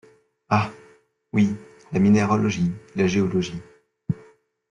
Ah ! oui, la minéralogie, la géologie…